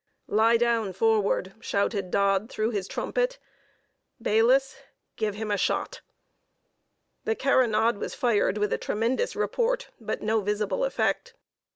"Lie down forward!" shouted Dodd, through his trumpet. "Bayliss, give him a shot." The carronade was fired with a tremendous report, but no visible effect.